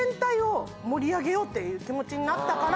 っていう気持ちになったから。